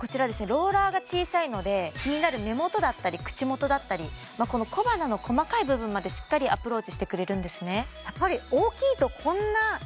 ローラーが小さいので気になる目元だったり口元だったり小鼻の細かい部分までしっかりアプローチしてくれるんですね